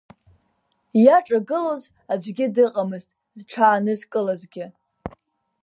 Иаҿагылоз аӡәгьы дыҟамызт, зҽаанызкылазгьы.